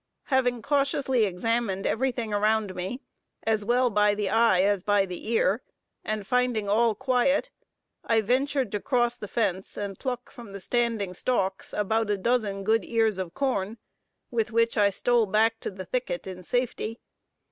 Having cautiously examined everything around me, as well by the eye as by the ear, and finding all quiet, I ventured to cross the fence and pluck from the standing stalks about a dozen good ears of corn, with which I stole back to the thicket in safety.